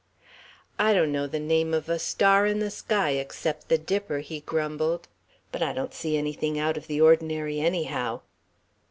"I don't know the name of a star in the sky, except the dipper," he grumbled, "but I don't see anything out of the ordinary, anyhow."